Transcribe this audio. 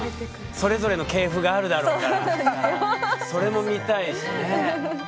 それぞれの系譜があるだろうからそれも見たいしね。